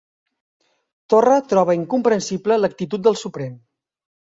Torra troba incomprensible l'actitud del Suprem